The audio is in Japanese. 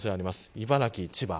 茨城、千葉。